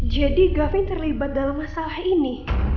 jadi gavin terlibat dalam masalah ini